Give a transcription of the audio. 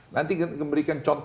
nanti akan diberikan contohnya